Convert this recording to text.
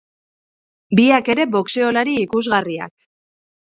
Biak ere boxeolari ikusgarriak.